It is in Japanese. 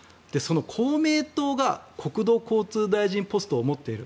公明党が国土交通大臣ポストを持っている。